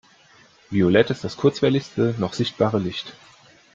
Violett ist das kurzwelligste noch sichtbare Licht.